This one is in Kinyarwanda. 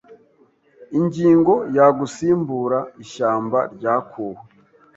Ingingo ya Gusimbura ishyamba ryakuwe